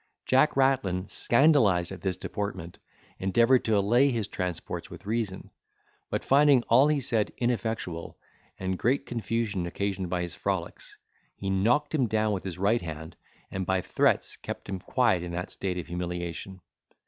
Jack Rattlin, scandalised at this deportment, endeavoured to allay his transports with reason; but finding all he said ineffectual, and great confusion occasioned by his frolics, he knocked him down with his right hand, and by threats kept him quiet in that state of humiliation.